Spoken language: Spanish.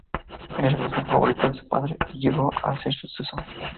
Era el hijo favorito de su padre y llegó a ser su sucesor.